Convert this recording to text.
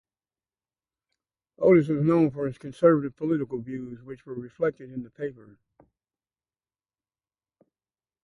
Otis was known for his conservative political views, which were reflected in the paper.